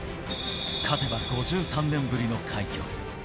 勝てば５３年ぶりの快挙。